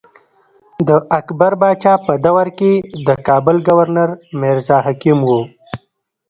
د اکبر باچا په دور کښې د کابل ګورنر مرزا حکيم وو۔